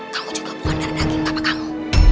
kamu juga bukan darah daging papa kamu